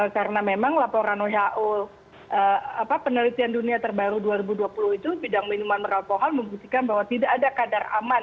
karena memang laporan ohio penelitian dunia terbaru dua ribu dua puluh itu bidang minuman beralkohol membuktikan bahwa tidak ada kadar aman